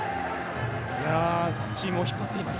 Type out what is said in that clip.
チームを引っ張っています。